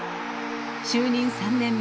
就任３年目